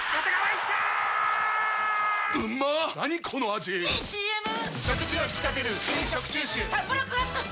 ⁉いいＣＭ！！